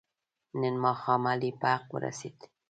نن ماښام علي په حق ورسید.